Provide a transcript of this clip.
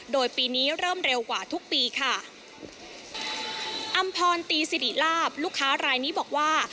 โดยปีนี้เริ่มเร็วกว่าทุกปีค่ะอำพรตีสิริลาบลูกค้ารายนี้บอกว่า